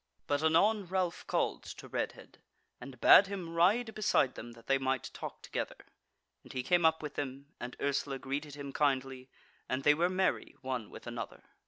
But anon Ralph called to Redhead, and bade him ride beside them that they might talk together, and he came up with them, and Ursula greeted him kindly, and they were merry one with another.